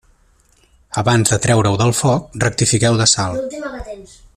Abans de treure-ho del foc rectifiqueu de sal.